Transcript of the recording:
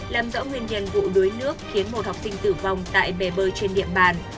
làm rõ nguyên nhân vụ đuối nước khiến một học sinh tử vong tại bể bơi trên điện bàn